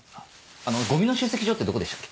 あのゴミの集積場ってどこでしたっけ？